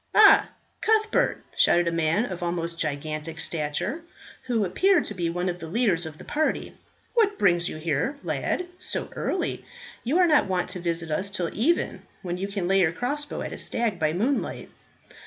"Ah, Cuthbert," shouted a man of almost gigantic stature, who appeared to be one of the leaders of the party, "what brings you here, lad, so early? You are not wont to visit us till even, when you can lay your crossbow at a stag by moonlight."